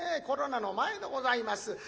コロナの前でございます。